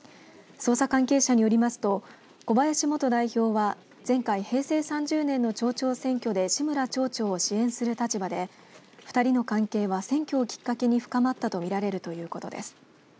捜査関係者によりますと小林元代表は前回平成３０年の町長選挙で志村町長を支援する立場で２人の関係は選挙をきっかけに深まったとみられるということです。